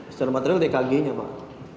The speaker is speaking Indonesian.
secara material itu ekg nya pak